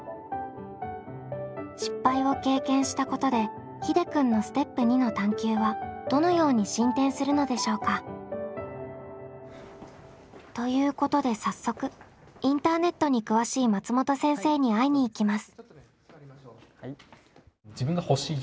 失敗を経験したことでひでくんのステップ２の探究はどのように進展するのでしょうか？ということで早速インターネットに詳しい松本先生に会いに行きます。